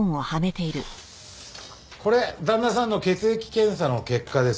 これ旦那さんの血液検査の結果です。